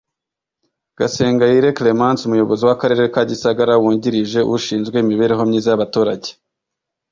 Gasengayire Clemance umuyobozi w’ akarere ka Gisagara wungirije ushinzwe imibereho myiza y’abaturage